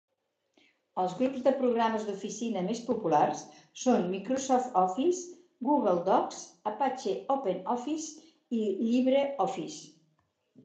Els grups de programes d'oficina més populars són Microsoft Office, Google Docs, Apache OpenOffice, i LibreOffice.